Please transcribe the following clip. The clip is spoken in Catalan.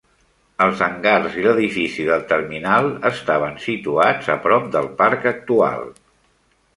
Els hangars i l'edifici del terminal estaven situats a prop del parc actual.